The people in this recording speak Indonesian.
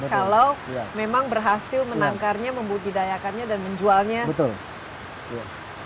kalau memang berhasil menangkarnya membudidayakannya dan memiliki keuntungan